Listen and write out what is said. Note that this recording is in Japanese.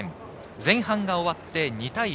前半が終わって２対１。